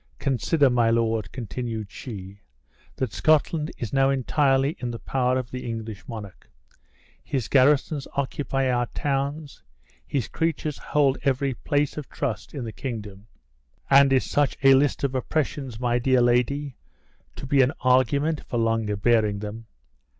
"Consider, my lord," continued she, "that Scotland is now entirely in the power of the English monarch. His garrisons occupy our towns, his creatures hold every place of trust in the kingdom!" "And is such a list of oppressions, my dear lady, to be an argument for longer bearing them?